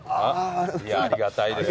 いやありがたいです。